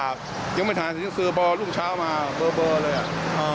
ครับยังไม่หาซิงซื่อเบาะลุงเช้ามาเบอร์เลยอ่ะอ่า